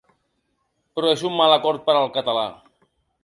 Però és un mal acord per al català.